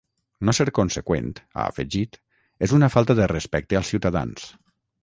No ser conseqüent, ha afegit, és una “falta de respecte als ciutadans”.